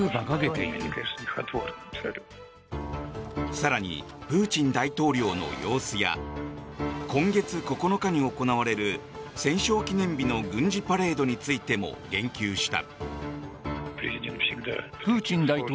更に、プーチン大統領の様子や今月９日に行われる戦勝記念日の軍事パレードについても言及した。